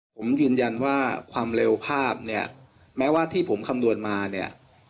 ผมยืนยันว่าความเร็วภาพเนี่ยแม้ว่าที่ผมคำนวณมาเนี่ย